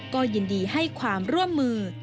ก็ยินดีให้ความร่วมมือ